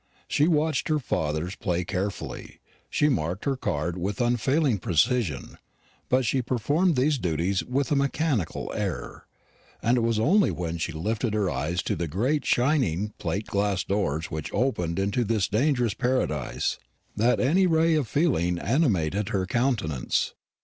She watched her father's play carefully she marked her card with unfailing precision; but she performed these duties with a mechanical air; and it was only when she lifted her eyes to the great shining plate glass doors which opened into this dangerous Paradise, that any ray of feeling animated her countenance.